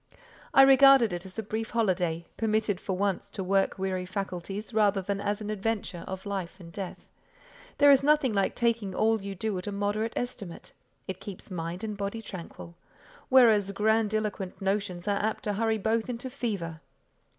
I regarded it as a brief holiday, permitted for once to work weary faculties, rather than as an adventure of life and death. There is nothing like taking all you do at a moderate estimate: it keeps mind and body tranquil; whereas grandiloquent notions are apt to hurry both into fever.